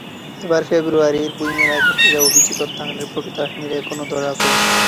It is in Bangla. এবারের ফেব্রুয়ারির বইমেলায় ঘটে যাওয়া অভিজিৎ হত্যাকাণ্ডের প্রকৃত আসামিরা এখনো ধরা পড়েনি।